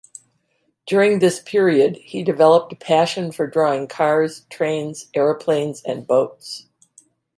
During this period he developed a passion for drawing cars, trains aeroplanes and boats.